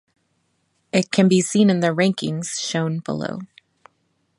It can be seen in the rankings shown below.